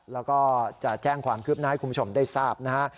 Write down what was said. แล้วก็จะแจ้งความคืบหน้าให้คุณผู้ชมได้ทราบนะฮะ